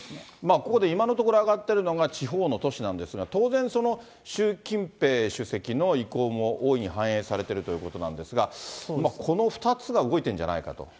ここで今のところ挙がっているのが、地方の都市なんですが、当然その、習近平主席の意向も大いに反映されているということなんですが、この２つが動いているんじゃないかと。